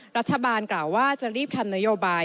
กล่าวว่าจะรีบทำนโยบาย